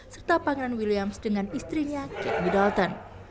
serta pangeran williams dengan istrinya kate middleton